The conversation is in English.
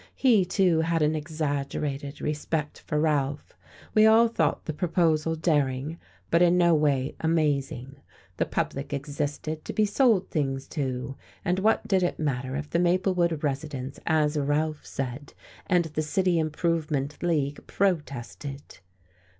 He, too, had an exaggerated respect for Ralph. We all thought the proposal daring, but in no way amazing; the public existed to be sold things to, and what did it matter if the Maplewood residents, as Ralph said; and the City Improvement League protested?